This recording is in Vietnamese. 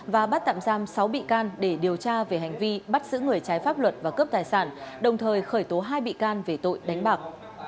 và bắt tạm giam sáu bị can để điều tra về hành vi bắt giữ người trái pháp luật và cướp tài sản đồng thời khởi tố hai bị can về tội đánh bạc